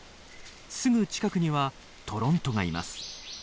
すぐ近くにはトロントがいます。